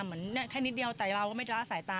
เหมือนแค่นิดเดียวแต่เราก็ไม่ได้ละสายตา